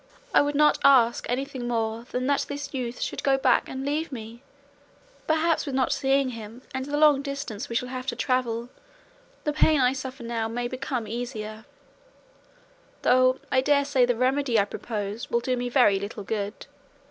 I would not ask anything more than that this youth should go back and leave me; perhaps with not seeing him, and the long distance we shall have to travel, the pain I suffer now may become easier; though I daresay the remedy I propose will do me very little good.